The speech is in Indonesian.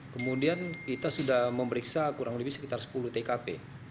kemudian kita sudah memeriksa kurang lebih sekitar sepuluh tkp